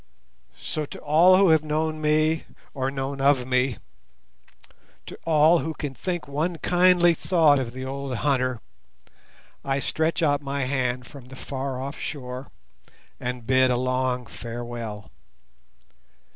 So to all who have known me, or known of me, to all who can think one kindly thought of the old hunter, I stretch out my hand from the far off shore and bid a long farewell.